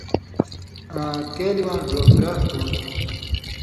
آں کېلی واں ڙوپھرہ (ہو تھہ)